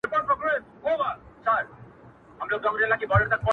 اراده یم، ما ټینګ کړي اسمان مځکه تل تر تله،